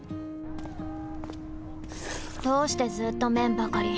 どうしてずーっと麺ばかり！